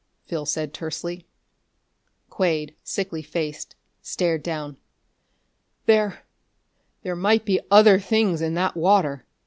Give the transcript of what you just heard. Phil said tersely. Quade, sickly faced, stared down. "There there might be other things in that water!"